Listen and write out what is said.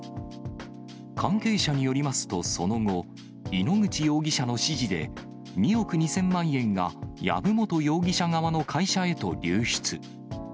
関係者によりますとその後、井ノ口容疑者の指示で、２億２０００万円が籔本容疑者側の会社へと流出。